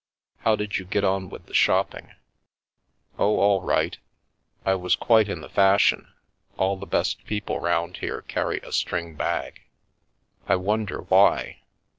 " How did you get on with the shopping? " "Oh, all right I was quite in the fashion; all the best people round here carry a string bag. I wonder why?